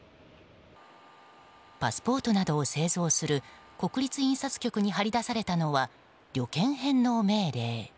パスポートなどを製造する国立印刷局に貼り出されたのは旅券返納命令。